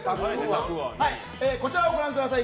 こちらをご覧ください。